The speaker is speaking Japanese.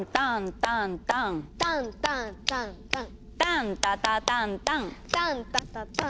タンタタタンタン！